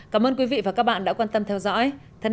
cảm ơn quý vị và các bạn đã quan tâm theo dõi